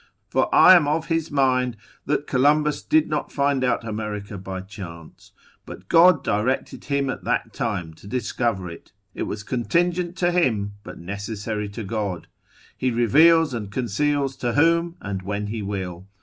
For I am of his mind, that Columbus did not find out America by chance, but God directed him at that time to discover it: it was contingent to him, but necessary to God; he reveals and conceals to whom and when he will.